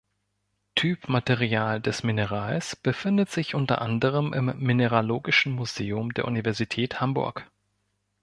Typmaterial des Minerals befindet sich unter anderem im Mineralogischen Museum der Universität Hamburg.